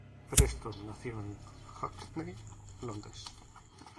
Preston nació en Hackney, Londres.